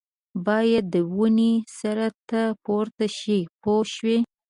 باید د ونې سر ته پورته شي پوه شوې!.